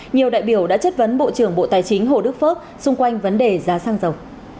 nhiều đại biểu đã chất vấn bộ trưởng bộ tài chính hồ đức phước xung quanh vấn đề giá xăng dầu